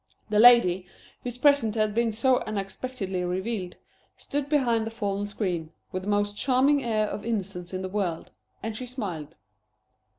The lady, whose presence had been so unexpectedly revealed, stood behind the fallen screen, with the most charming air of innocence in the world, and she smiled.